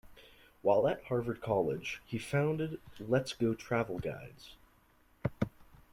While at Harvard College, he founded Let's Go Travel Guides.